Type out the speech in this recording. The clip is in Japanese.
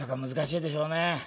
難しいでしょうね。